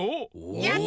やった！